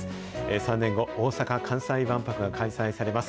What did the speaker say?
３年後、大阪・関西万博が開催されます。